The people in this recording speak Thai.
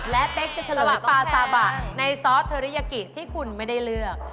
และเป๊กจะเฉลวะปาซาบะในซอสเทอริยากิที่คุณไม่ได้เลือก